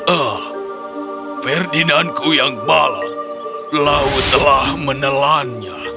ah ferdinandku yang male laut telah menelannya